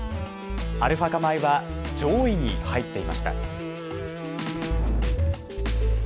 アルファ化米は上位に入っていました。